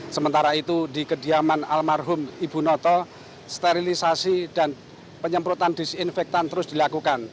sementara itu di kediaman almarhum ibu noto sterilisasi dan penyemprotan disinfektan terus dilakukan